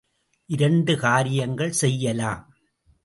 இரண்டு காரியங்கள் செய்யலாம்.